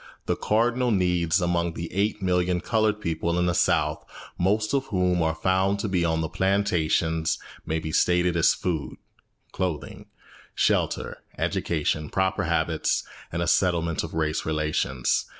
The cardinal needs among the eight million coloured people in the South, most of whom are to be found on the plantations, may be stated as food, clothing, shelter, education, proper habits, and a settlement of race relations.